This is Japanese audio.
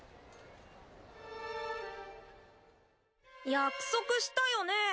約束したよね？